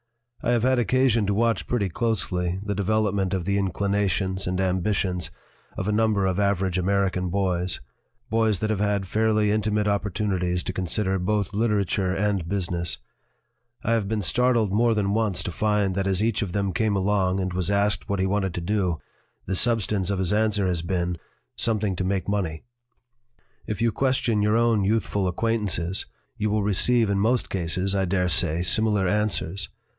"I have had occasion to watch pretty closely the development of the inclinations and ambi tions of a number of average American boys boys that have had fairly intimate opportunities to consider both literature and business. I have been startled more than once to find that as each of them came along and was asked what he wanted to do, the substance of his answer has been, 'Something to make money/ BUSINESS AND ART "If you question your own youthful acquain tances, you will receive in most cases, I dare say, similar answers.